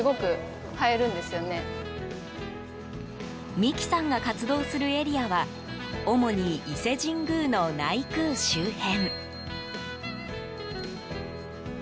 美希さんが活動するエリアは主に、伊勢神宮の内宮周辺。